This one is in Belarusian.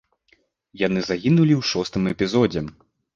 Яны загінулі ў шостым эпізодзе.